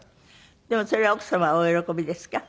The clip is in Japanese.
でもそれは奥様はお喜びですか？